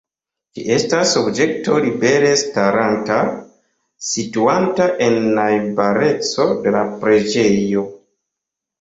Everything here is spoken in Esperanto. Ĝi estas objekto libere staranta, situanta en najbareco de la preĝejo.